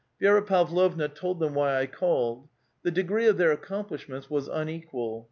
Vi6ra Pavlovna told them why I called. The degree of their accomplishments was unequal.